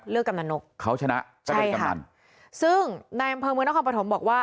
เลือกกำนันนกเขาชนะใช่ค่ะซึ่งนายอำเภอเมืองนครปฐมบอกว่า